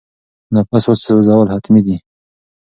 نفس وسوځول حتمي نه دي.